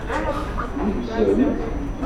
Tneggzem.